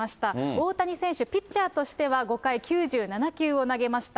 大谷選手、ピッチャーとしては５回９７球を投げました。